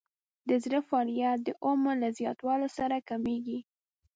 د زړه فعالیت د عمر له زیاتوالي سره کمیږي.